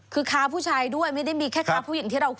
คือค้าผู้ชายด้วยไม่ได้มีแค่ค้าผู้หญิงที่เราคุย